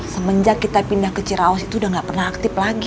semenjak kita pindah ke cirawas itu udah gak pernah aktif lagi